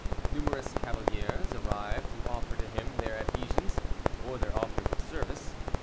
Numerous cavaliers arrived to offer to him their adhesions, or their offers of service.